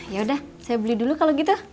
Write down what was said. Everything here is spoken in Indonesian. ya udah saya beli dulu kalau gitu